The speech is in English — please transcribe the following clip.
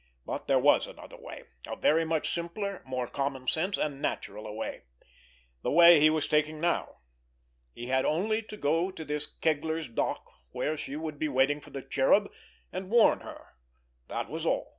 But there was another way, a very much simpler, more common sense and natural a way; the way he was taking now. He had only to go to this Kegler's dock where she would be waiting for the Cherub, and warn her. That was all.